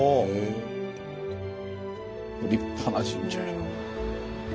立派な神社やな。